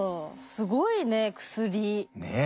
すごいね薬。ねえ。